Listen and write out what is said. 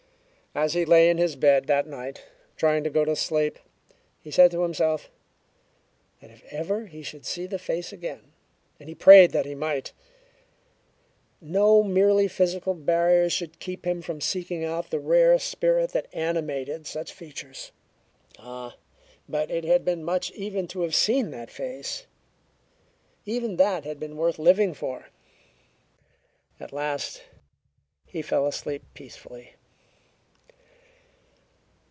As he lay in his bed that night, trying to go to sleep, he said to himself that if ever he should see the face again and he prayed that he might no merely physical barriers should keep him from seeking out the rare spirit that animated such features. Ah, but it had been much even to have seen that face; even that had been worth living for. At last he fell asleep peacefully.